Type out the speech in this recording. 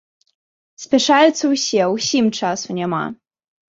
Спяшаюцца ўсе, усім часу няма.